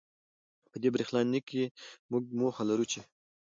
په دې برېښنالیک کې، موږ موخه لرو چې